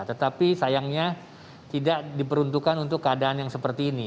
tetapi sayangnya tidak diperuntukkan untuk keadaan yang seperti ini